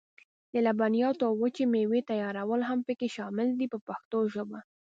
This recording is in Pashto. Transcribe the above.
د لبنیاتو او وچې مېوې تیارول هم پکې شامل دي په پښتو ژبه.